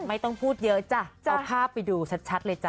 ไม่ต้องพูดเยอะจ้ะเอาภาพไปดูชัดเลยจ้